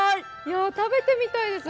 食べてみたいです。